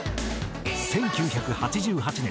１９８８年